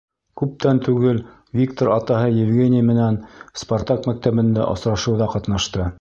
Күптән түгел Виктор атаһы Евгений менән Спартак мәктәбендә осрашыуҙа ҡатнашты.